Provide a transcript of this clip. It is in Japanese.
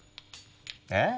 え？